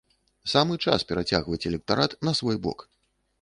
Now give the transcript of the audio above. Самы час перацягваць электарат на свой бок.